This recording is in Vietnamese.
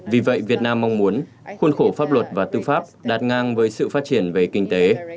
vì vậy việt nam mong muốn khuôn khổ pháp luật và tư pháp đạt ngang với sự phát triển về kinh tế